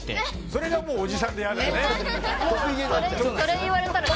それがもうおじさんでやだね！